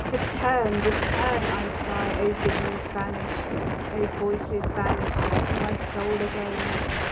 Return! Return! I cry, _O Visions vanished, O Voices banished, to my Soul again!